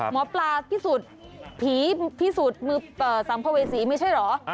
หมอปลาพิสูจน์ผีพิสูจน์มือสัมภเวษีไม่ใช่เหรอ